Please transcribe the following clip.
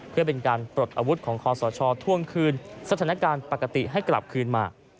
เพื่อเป็นการปลดอาวุธของคอสชท่วงคืนสถานการณ์ปกติให้กลับคืนมา